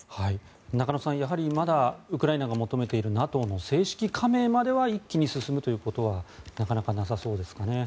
中野さん、やはりまだウクライナが求めているＮＡＴＯの正式加盟までは一気に進むということはなさそうですかね。